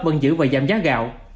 vẫn giữ và giảm giá gạo